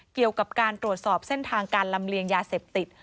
เกี่ยวกับการตรวจสอบเส้นทางการลำเลียงยาเสพติด